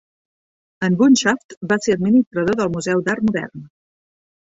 En Bunshaft va ser administrador del Museu d'Art Modern.